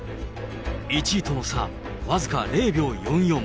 １位との差、僅か０秒４４。